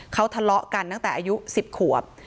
เขาทะเลาะกันตั้งแต่อายุ๑๐ขวบ